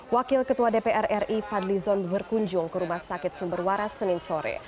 wakil ketua dpr ri fadli zon berkunjung ke rumah sakit sumber waras senin sore